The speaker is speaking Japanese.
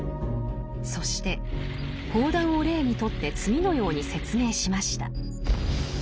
そして砲弾を例にとって次のように説明しました。